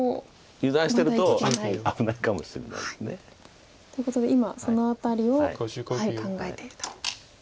油断してると危ないかもしれないです。ということで今その辺りを考えていると。